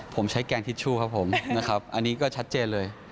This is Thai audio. ผมใช้แกงทิชชู่ครับผมนะครับอันนี้ก็ชัดเจนเลย